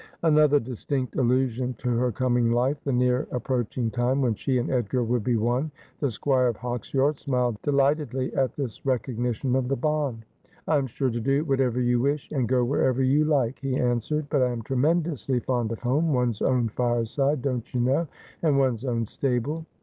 Another distinct allusion to her coming life, the near ap proaching time when she and Edgar would be one. The Squire of Hawksyard smiled delightedly at this recognition of the bond. ' I am sure to do whatever you wish, and go wherever you like,' he answered ;' but I am tremendously fond of home, one's own fireside, don't you know, and one's own stable.'